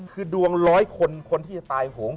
คือดวงร้อยคนคนที่จะตายโหง